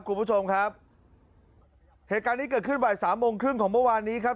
คุณผู้ชมครับเหตุการณ์นี้เกิดขึ้นบ่ายสามโมงครึ่งของเมื่อวานนี้ครับ